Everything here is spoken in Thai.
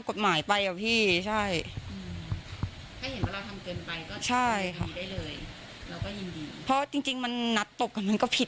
กฎหมายไปกับพี่ใช่เพราะจริงมันนัดตบกันมันก็ผิด